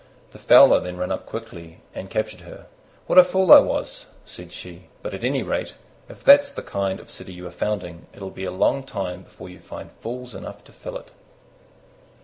The Fowler then ran up quickly and captured her. "What a fool I was!" said she: "but at any rate, if that's the kind of city you are founding, it'll be a long time before you find fools enough to fill it."